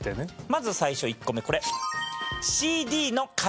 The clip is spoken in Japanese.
まず最初１個目これ。